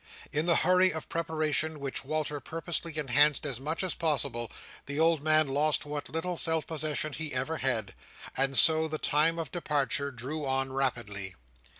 In the hurry of preparation: which Walter purposely enhanced as much as possible: the old man lost what little self possession he ever had; and so the time of departure drew on rapidly.